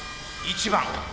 １番。